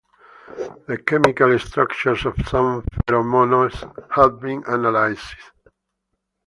The chemical structures of some pheromones have been analysed.